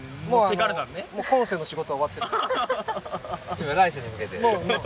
今来世に向けて。